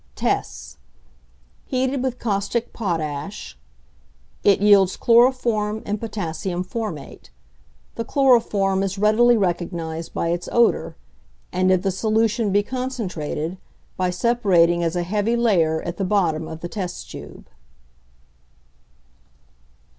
Tests. Heated with caustic potash, it yields chloroform and potassium formate. The chloroform is readily recognized by its odour, and, if the solution be concentrated, by separating as a heavy layer at the bottom of the test tube.